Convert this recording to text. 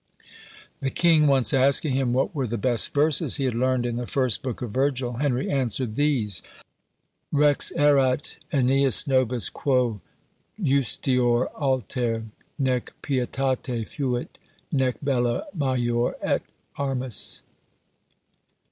The king once asking him what were the best verses he had learned in the first book of Virgil, Henry answered, "These: 'Rex erat Ãneas nobis, quo justior alter Nec pietate fuit, nec bello major et armis.'"